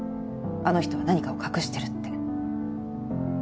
あの人は何かを隠してるって。